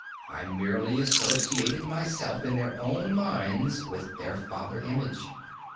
I merely associated myself, in their own minds, with the father image.